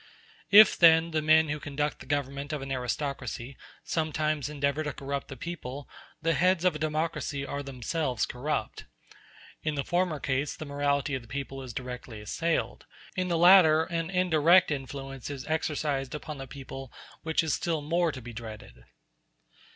If, then, the men who conduct the government of an aristocracy sometimes endeavor to corrupt the people, the heads of a democracy are themselves corrupt. In the former case the morality of the people is directly assailed; in the latter an indirect influence is exercised upon the people which is still more to be dreaded.